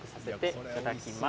いただきます。